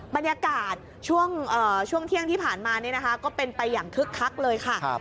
บรรยากาศช่วงเที่ยงที่ผ่านมาก็เป็นไปอย่างคึกคักเลยค่ะ